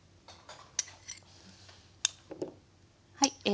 はいえ